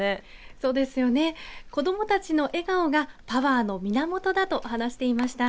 そうですよね子どもたちの笑顔がパワーの源だと話していました。